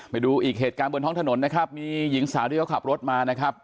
ไปดูอีกเหตุการณ์บนท้องถนนมีหญิงสาดี้ก็ขับรถมา